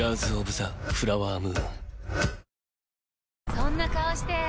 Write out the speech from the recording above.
そんな顔して！